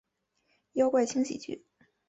妖怪轻喜剧！